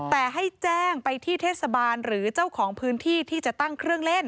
แต่ให้แจ้งไปที่เทศบาลหรือเจ้าของพื้นที่ที่จะตั้งเครื่องเล่น